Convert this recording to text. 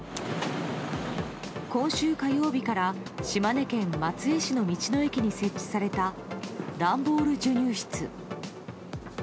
今週火曜日から、島根県松江市の道の駅に設置された段ボール授乳室。